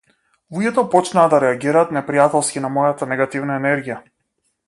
Луѓето почнаа да реагираат непријателски на мојата негативна енергија.